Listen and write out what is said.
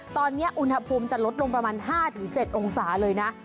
ตอนนี้อุณหภูมิจะลดลงประมาณ๕๗องศาเลยนะ